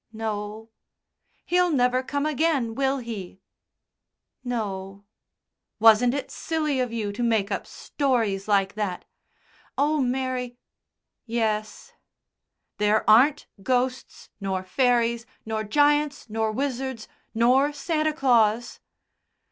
"No." "He'll never come again, will he?" "No." "Wasn't it silly of you to make up stories like that?" "Oh, Mary yes." "There aren't ghosts, nor fairies, nor giants, nor wizards, nor Santa Claus?"